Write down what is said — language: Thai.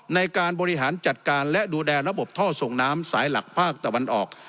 ในการบริหารจัดการและดูแลระบบท่อส่งน้ำสายหลักภาคตะวันออก